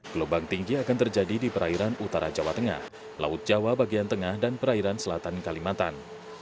gelombang tinggi akan terjadi di perairan utara jawa tengah laut jawa bagian tengah dan perairan selatan kalimantan